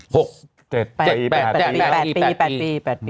๗ปี๘ปี๗ปี๘ปี